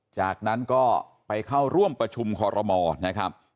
จากนั้นก็ไปเข้าร่วมประชุมคอรมอนะครับ